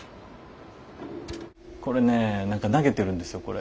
これね何か投げてるんですよこれ。